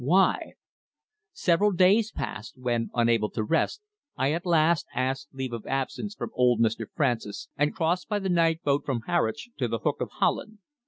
Why? Several days passed when, unable to rest, I at last asked leave of absence from old Mr. Francis, and crossed by the night boat from Harwich to the Hook of Holland.